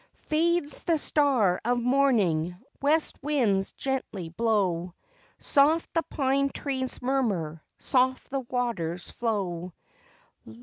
"Fades the star of morning, west winds gently blow, Soft the pine trees murmur, soft the waters flow.